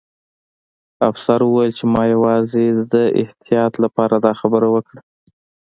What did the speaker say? افسر وویل چې ما یوازې د احتیاط لپاره دا خبره وکړه